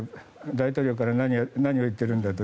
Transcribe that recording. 大統領から何を言っているんだと。